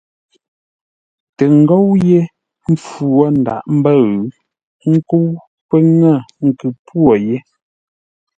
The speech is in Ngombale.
Tə ngóu yé mpfu wo ńdághʼ ḿbə̂ʉ, ə́ nkə́u pə́ ŋə̂ nkʉ-pwô yé.